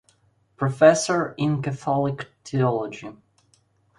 Professor in Catholic Theology.